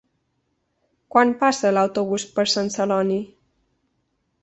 Quan passa l'autobús per Sant Celoni?